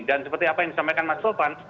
dan seperti apa yang disampaikan mas ropan